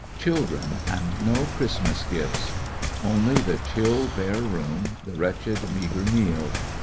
Children and no Christ mas gifts! Only the chill, bare room, the wretched, meagre meal.